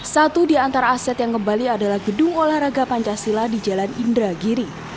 satu di antara aset yang kembali adalah gedung olahraga pancasila di jalan indragiri